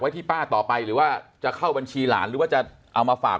ที่ป้าต่อไปหรือว่าจะเข้าบัญชีหลานหรือว่าจะเอามาฝาก